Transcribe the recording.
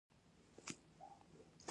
ځنغوزي ونه څومره وخت کې میوه نیسي؟